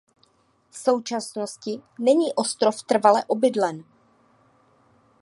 V současnosti není ostrov trvale obydlen.